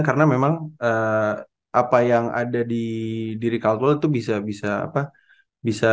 karena memang apa yang ada di diri caldwell itu bisa bisa apa ya bisa